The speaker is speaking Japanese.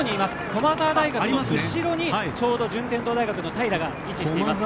駒澤大学の後ろにちょうと順天堂大学の平が位置しています。